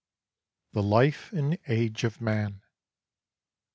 THE LIFE AND AGE OF MAN.